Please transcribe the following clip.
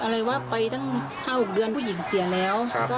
อะไรว่าไปตั้ง๕๖เดือนผู้หญิงเสียแล้ว